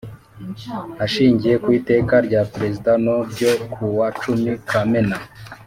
Ashingiye ku Iteka rya Perezida no ryo kuwa cumi kamena